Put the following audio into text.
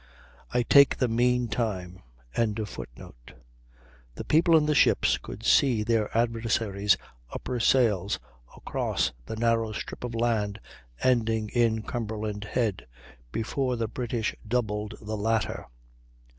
I take the mean time.] the people in the ships could see their adversaries' upper sails across the narrow strip of land ending in Cumberland Head, before the British doubled the latter.